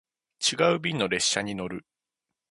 違う便の列車に乗る